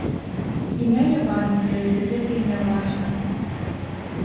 Імя не памятаю, ды гэта і не важна.